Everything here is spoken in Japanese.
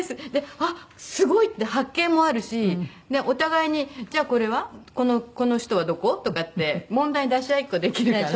あっすごい！って発見もあるしでお互いに「じゃあこれは？この首都はどこ？」とかって問題出し合いっこできるから。